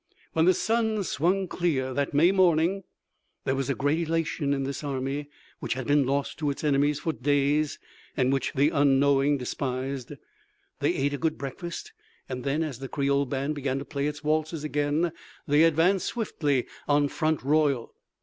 When the sun swung clear that May morning there was a great elation in this army which had been lost to its enemies for days and which the unknowing despised. They ate a good breakfast, and then, as the Creole band began to play its waltzes again, they advanced swiftly on Front Royal.